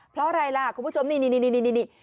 เพราะอะไรล่ะคุณผู้ชมนี่